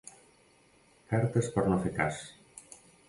Cartes per no fer cas.